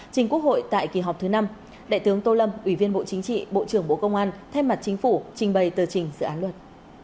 trình quốc hội tại kỳ họp thứ năm đại tướng tô lâm ủy viên bộ chính trị bộ trưởng bộ công an thay mặt chính phủ trình bày tờ trình dự án luật